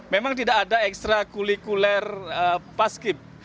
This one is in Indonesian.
memang tidak ada ekstra kulikuler paskip